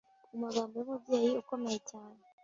mu magambo yumubyeyi ukomeye cyane